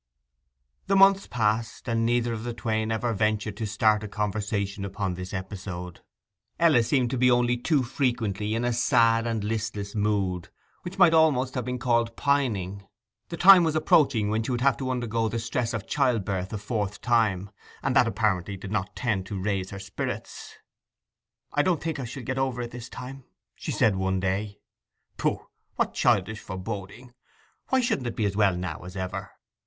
The months passed, and neither of the twain ever ventured to start a conversation upon this episode. Ella seemed to be only too frequently in a sad and listless mood, which might almost have been called pining. The time was approaching when she would have to undergo the stress of childbirth for a fourth time, and that apparently did not tend to raise her spirits. 'I don't think I shall get over it this time!' she said one day. 'Pooh! what childish foreboding! Why shouldn't it be as well now as ever?